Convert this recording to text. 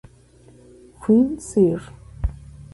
Fenn., Ser.